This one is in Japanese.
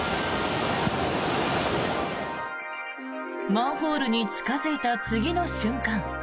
マンホールに近付いた次の瞬間